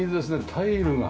タイルが。